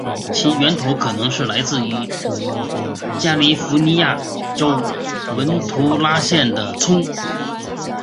其源头可能来自加利福尼亚州文图拉县的葱。